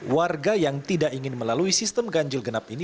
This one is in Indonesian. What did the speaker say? warga yang tidak ingin melalui sistem ganjil genap ini